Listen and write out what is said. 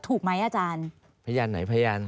ถูกไหมอาจารย์พยานไหนพยาน